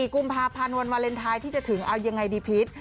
๔กุมภาพันธ์วันวาเลนไทยที่จะถึงเอายังไงดีพีช